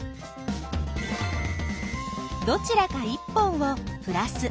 どちらか１本をプラス